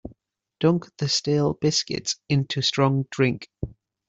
Dunk the stale biscuits into strong drink.